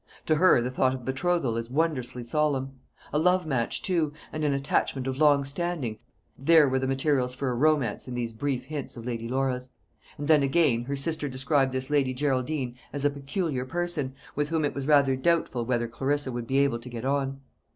To her the thought of betrothal is wondrously solemn. A love match too, and an attachment of long standing there were the materials for a romance in these brief hints of Lady Laura's. And then, again, her sister described this Lady Geraldine as a peculiar person, with whom it was rather doubtful whether Clarissa would be able to get on.